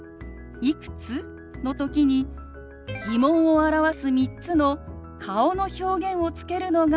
「いくつ？」の時に疑問を表す３つの顔の表現をつけるのがポイントです。